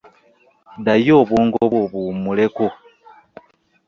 Ddayo obwongo bwo buwummuleko.